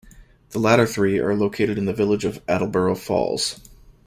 The latter three are located in the village of Attleborough Falls.